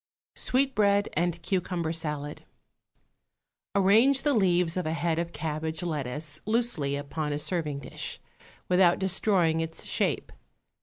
_ =Sweetbread and Cucumber Salad.= Arrange the leaves of a head of cabbage lettuce loosely upon a serving dish, without destroying its shape.